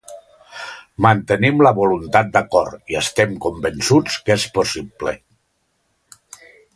Mantenim la voluntat d’acord i estem convençuts que és possible.